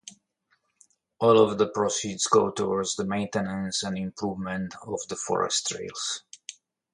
All of the proceeds go towards the maintenance and improvement of the forest trails.